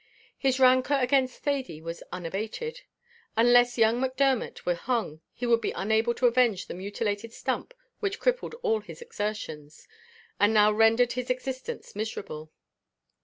His rancour against Thady was unabated. Unless young Macdermot were hung he would be unable to avenge the mutilated stump which crippled all his exertions, and now rendered his existence miserable.